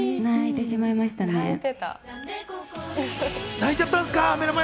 泣いちゃったんすか！